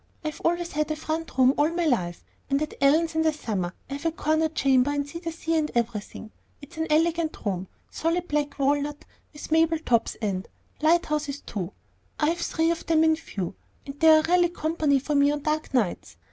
I've always had a front room all my life. And at Ellen's in the summer, I have a corner chamber, and see the sea and everything It's an elegant room, solid black walnut with marble tops, and Lighthouses too; I have three of them in view, and they are really company for me on dark nights.